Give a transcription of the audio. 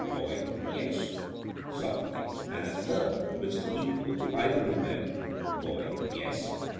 BOY: Yes. SOCRATES: And a third, which is equal to either of them? BOY: Yes.